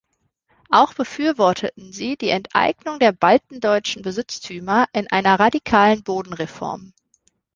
Auch befürworteten sie die Enteignung der baltendeutschen Besitztümer in einer radikalen Bodenreform.